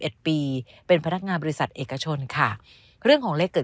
ปีเป็นพนักงานบริษัทเอกชนค่ะเรื่องของเล็กเกิด